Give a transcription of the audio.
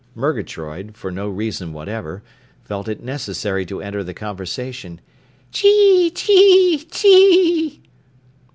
Murgatroyd, for no reason whatever, felt it necessary to enter the conversation: "_Chee chee chee!